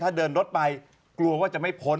ถ้าเดินรถไปกลัวว่าจะไม่พ้น